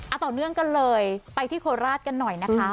เอาต่อเนื่องกันเลยไปที่โคราชกันหน่อยนะคะ